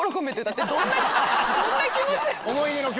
どんな気持ち？